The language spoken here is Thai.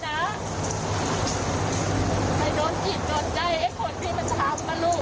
ให้โดนจิตโดนใจให้คนที่มันถามมาลูก